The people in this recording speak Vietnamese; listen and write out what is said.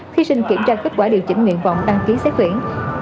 thí sinh kiểm tra kết quả điều chỉnh nguyện vọng đăng ký xét tuyển